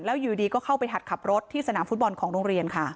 แล้วอยู่ดีก็เข้าไปหัดขับรถที่สนามฟุตบอลของโรงเรียนค่ะ